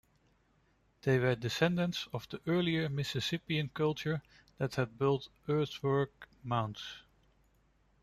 They were descendants of the earlier Mississippian culture that had built earthwork mounds.